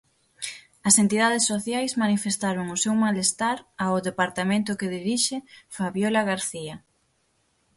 As entidades sociais manifestaron o seu malestar ao departamento que dirixe Fabiola García.